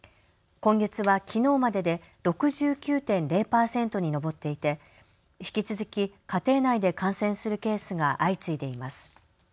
今月はきのうまでで６９．０％に上っていて引き続き家庭内で感染するケースが相次いでいます。